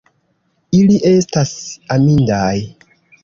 Ili estas amindaj!